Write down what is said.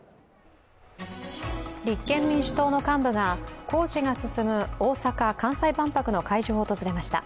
立憲民主党の幹部が工事が進む大阪・関西万博の会場を訪れました